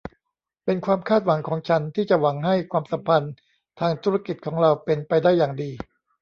เป็นความคาดหวังของฉันที่จะหวังให้ความสัมพันธ์ทางธุรกิจของเราเป็นไปได้อย่างดี